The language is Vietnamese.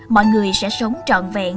mọi người sẽ sống trọn vẹn